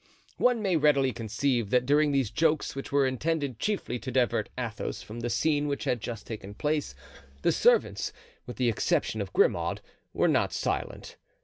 One may readily conceive that during these jokes which were intended chiefly to divert Athos from the scene which had just taken place, the servants, with the exception of Grimaud, were not silent.